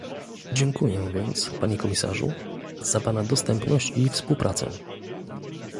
Dziękuję więc, panie komisarzu, za pana dostępność i współpracę